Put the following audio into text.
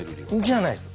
じゃないです。